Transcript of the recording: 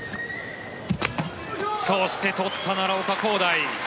そうして取った奈良岡功大。